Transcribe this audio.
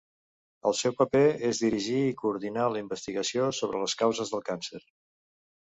El seu paper és dirigir i coordinar la investigació sobre les causes del càncer.